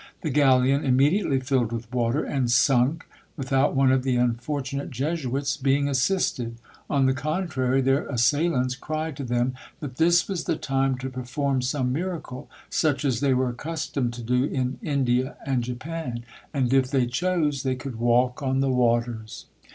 The galleon immediately filled with water and sunk, without one of the unfortunate Jesuits being assisted: on the contrary, their assailants cried to them that this was the time to perform some miracle, such as they were accustomed to do in India and Japan; and if they chose, they could walk on the waters!